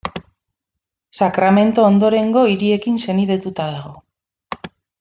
Sacramento ondorengo hiriekin senidetuta dago.